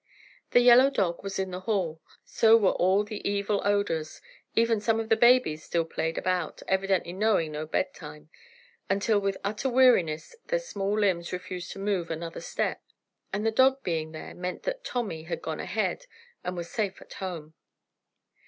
The yellow dog was in the hall, so were all the evil odors, even some of the babies still played about, evidently knowing no bedtime, until with utter weariness their small limbs refused to move another step. And the dog being there meant that Tommy had gone ahead and was safe at home.